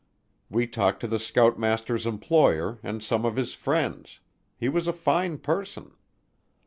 We talked to the scoutmaster's employer and some of his friends; he was a fine person.